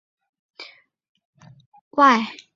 不过莱纳并非单纯的复写眼持有者所以是例外。